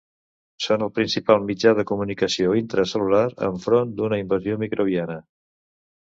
Són el principal mitjà de comunicació intracel·lular enfront d'una invasió microbiana.